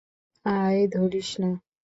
অ্যাই, ধরিস না!